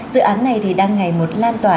dự án này đang ngày một lan tỏa